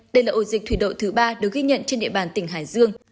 đây là ổ dịch thủy đội thứ ba được ghi nhận trên địa bàn tỉnh hải dương